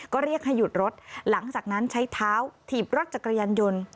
ก็เรียกให้หยุดรถหลังจากนั้นใช้เท้าถีบรถจักรยานยนต์